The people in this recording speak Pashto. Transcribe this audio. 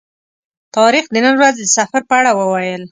طارق د نن ورځې د سفر په اړه وویل.